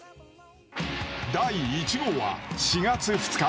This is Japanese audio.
第１号は、４月２日。